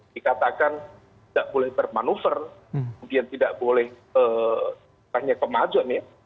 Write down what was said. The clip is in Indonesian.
dikatakan tidak boleh bermanuver kemudian tidak boleh hanya kemajuan ya